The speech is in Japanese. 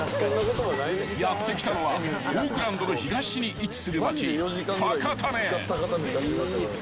［やって来たのはオークランドの東に位置する町］